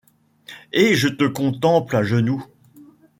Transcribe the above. Et je te contemple. à genoux ;